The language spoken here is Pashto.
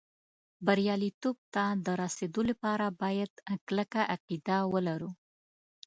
بریالېتوب ته د رسېدو لپاره باید کلکه عقیده ولرو